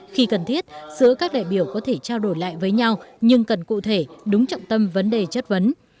khi cần thiết giữa các đại biểu có thể trao đổi lại với nhau nhưng cần cụ thể đúng trọng tâm vấn đề chất vấn